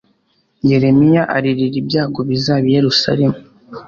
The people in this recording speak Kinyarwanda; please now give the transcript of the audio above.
yeremiya aririra ibyago bizaba i yerusalemu